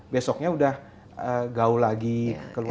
besoknya udah gaul lagi keluar